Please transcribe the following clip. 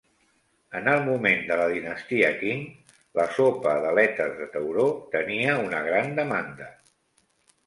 En el moment de la dinastia Qing, la sopa d'aletes de tauró tenia una gran demanda.